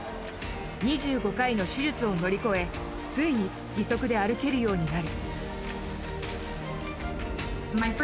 ２５回の手術を乗り越えついに義足で歩けるようになる。